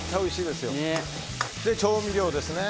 で調味料ですね。